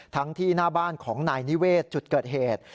ที่หน้าบ้านของนายนิเวศจุดเกิดเหตุ